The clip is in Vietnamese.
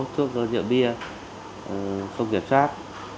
thuốc rượu bia không kiểm soát